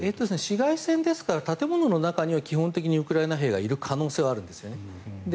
市街戦ですから建物の中には基本的にウクライナ兵がいる可能性はあるんですよね。